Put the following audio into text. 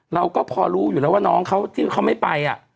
เราก็พอรู้อยู่แล้วว่าน้องเขาที่เขาไม่ไป